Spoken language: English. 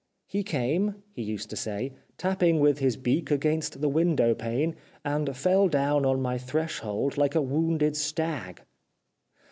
" He came," he used to say, " tapping with his beak against the wdndow pane, and fell down on my threshold like a wounded stag."